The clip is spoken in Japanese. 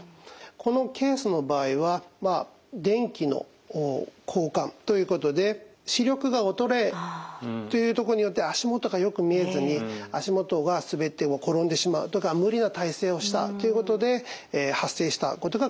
このケースの場合は電気の交換ということで視力が衰えというとこによって足元がよく見えずに足元が滑って転んでしまうとか無理な体勢をしたということで発生したことが考えられます。